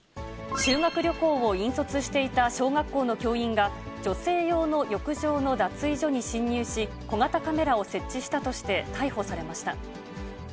修学旅行を引率していた小学校の教員が、女性用の浴場の脱衣所に侵入し、小型カメラを設置したとして、逮捕されました。